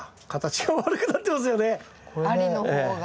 ありの方が。